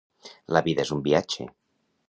La vida és un viatge.